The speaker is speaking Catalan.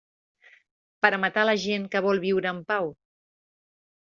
Per a matar la gent que vol viure en pau?